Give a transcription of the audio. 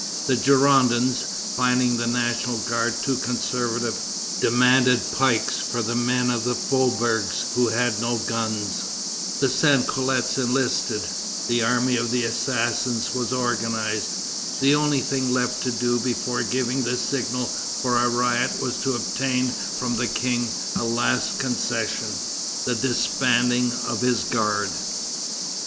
The Girondins, finding the National Guard too conservative, demanded pikes for the men of the faubourgs who had no guns. The sans culottes enlisted. The army of assassins was organized. The only thing left to do before giving the signal for a riot was to obtain from the King a last concession, the disbanding of his guard.